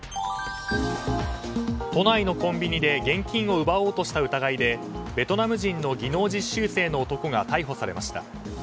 都内のコンビニで現金を奪おうとした疑いでベトナム人の技能実習生の男が逮捕されました。